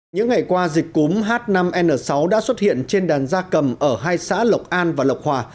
những ngày qua dịch cúm h năm n sáu đã xuất hiện trên đàn da cầm ở hai xã lộc an và lộc hòa